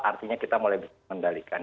artinya kita mulai bisa mengendalikan